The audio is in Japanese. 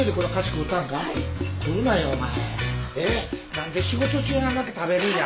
何で仕事中にあんだけ食べるんや？